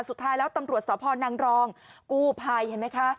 สุดท้ายแล้วตำรวจสพนังรองกู้ภัยเห็นไหมคะ